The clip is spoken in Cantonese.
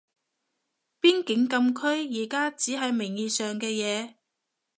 邊境禁區而家只係名義上嘅嘢